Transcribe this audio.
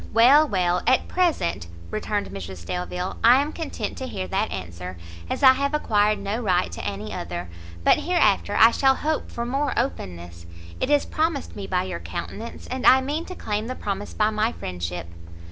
"Well, well, at present," returned Mrs Delvile, "I am content to hear that answer, as I have acquired no right to any other: but hereafter I shall hope for more openness: it is promised me by your countenance, and I mean to claim the promise by my friendship."